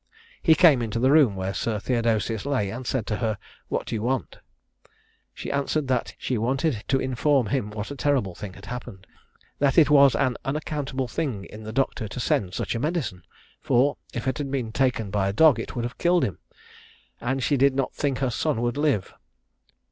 He came into the room where Sir Theodosius lay, and said to her, "What do you want?" She answered that she wanted to inform him what a terrible thing had happened; that it was an unaccountable thing in the doctor to send such a medicine, for if it had been taken by a dog it would have killed him; and she did not think her son would live.